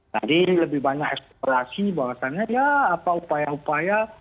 jadi lebih banyak eksplorasi bahwasannya ya apa upaya upaya